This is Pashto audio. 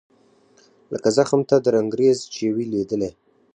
لکه خُم ته د رنګرېز چي وي لوېدلی